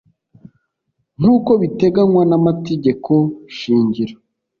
Nkuko biteganywa n’amategeko shingiro